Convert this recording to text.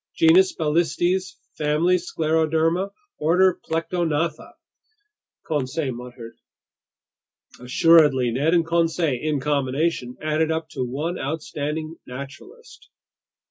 "Genus Balistes, family Scleroderma, order Plectognatha," Conseil muttered. Assuredly, Ned and Conseil in combination added up to one outstanding naturalist.